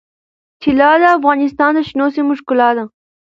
طلا د افغانستان د شنو سیمو ښکلا ده.